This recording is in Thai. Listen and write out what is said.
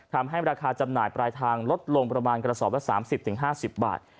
ทำให้ราคาจำหน่ายปลายทางลดลงประมาณกระสอบละ๓๐๕๐บาท